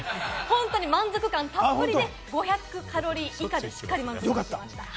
満足感たっぷりで、５００キロカロリー以下でしっかり満足できました。